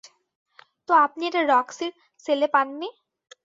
তো আপনি এটা রক্সির সেলে পাননি?